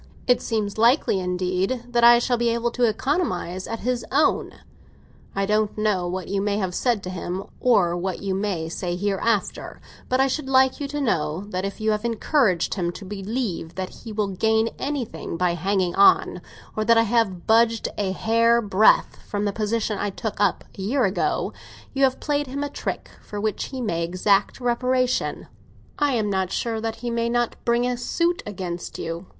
It seems likely, indeed, that I shall be able to economise at his own. I don't know what you may have said to him, or what you may say hereafter; but I should like you to know that if you have encouraged him to believe that he will gain anything by hanging on, or that I have budged a hair's breadth from the position I took up a year ago, you have played him a trick for which he may exact reparation. I'm not sure that he may not bring a suit against you.